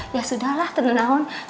ya sudahlah tenang